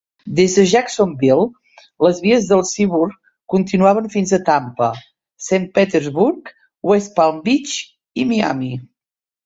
Des de Jacksonville, les vies del Seaboard continuaven fins a Tampa, Saint Petersburg, West Palm Beach i Miami.